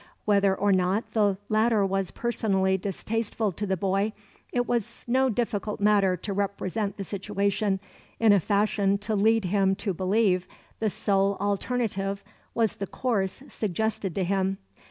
Whether or not the latter was personally distasteful to the boy, it was no difficult matter to represent the situation in a fashion to lead him to believe the sole alternative was the course suggested to him.